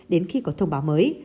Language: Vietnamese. đến khi có thông báo mới